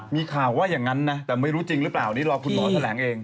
มีข่าวว่าอย่างนั้นนะแต่ไม่รู้จริงหรือเปล่านี่รอคุณหมอแถลงเอง